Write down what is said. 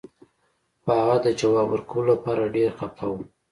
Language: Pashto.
خو هغه د ځواب ورکولو لپاره ډیر خفه و